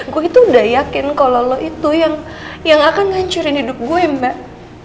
aku itu udah yakin kalau lo itu yang akan ngancurin hidup gue mbak